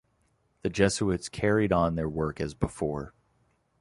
The Jesuits carried on their work as before.